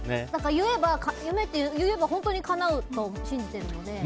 夢って言えば本当にかなうと信じてるので。